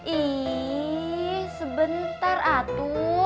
ih sebentar atu